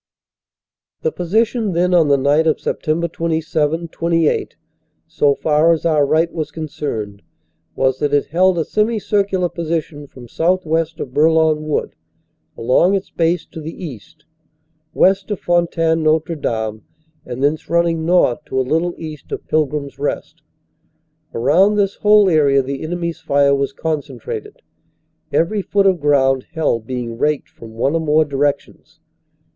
The position then on the night of Sept. 27 28, so far as our right was concerned, was that it held a semi circular position from southwest of Bourlon Wood, along its base to the east, west of Fontaine Notre Dame, and thence running north to a little east of Pilgrim s Rest. Around this whole area the enemy s fire was concentrated, every foot of ground held being raked from one or more directions.